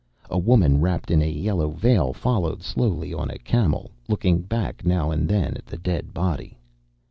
A woman wrapped in a yellow veil followed slowly on a camel, looking back now and then at the dead body.